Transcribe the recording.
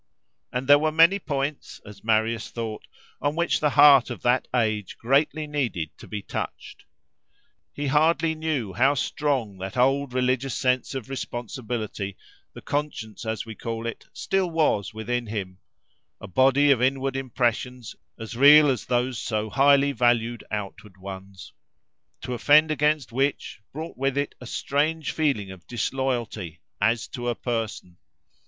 And there were many points, as Marius thought, on which the heart of that age greatly needed to be touched. He hardly knew how strong that old religious sense of responsibility, the conscience, as we call it, still was within him—a body of inward impressions, as real as those so highly valued outward ones—to offend against which, brought with it a strange feeling of disloyalty, as to a person.